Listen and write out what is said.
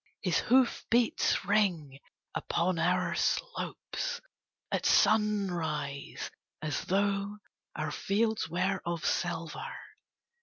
His hoof beats ring upon our slopes at sunrise as though our fields were of silver.